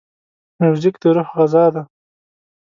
موزیک د روح غذا ده.